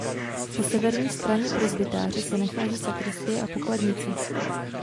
Po severní straně presbytáře se nachází sakristie a pokladnice.